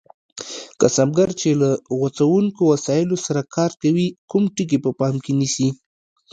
کسبګر چې له غوڅوونکو وسایلو سره کار کوي کوم ټکي په پام کې ونیسي؟